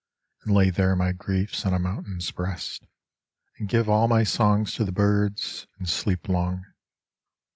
And lay there my griefs on a mountain's breast, And give all my songs to the birds, and sleep long.